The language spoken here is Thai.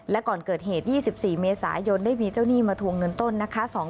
และก่อนเกิดเหตุ๒๔เมษายนได้มีเจ้าหนี้มาทวงเงินต้นนะคะ